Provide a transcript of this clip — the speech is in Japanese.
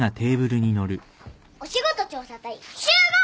お仕事調査隊集合。